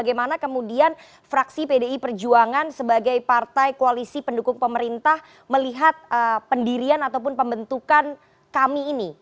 bagaimana kemudian fraksi pdi perjuangan sebagai partai koalisi pendukung pemerintah melihat pendirian ataupun pembentukan kami ini